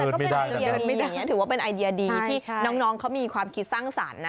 อย่างนี้ถือว่าเป็นไอเดียดีที่น้องเขามีความคิดสร้างสรรค์นะ